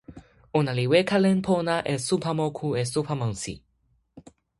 ona li weka len pona e supa moku e supa monsi.